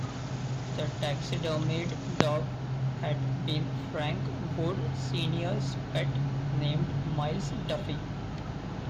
The taxidermied dog had been Frank Wood Sr.'s pet, named Miles Duffy.